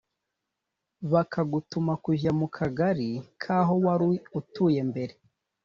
bakagutuma kujya mu kagari k’aho wari utuye mbere